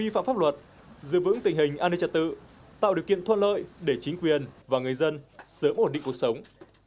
phạm pháp luật giữ vững tình hình an ninh trật tự tạo điều kiện thuận lợi để chính quyền và người dân sớm ổn định cuộc sống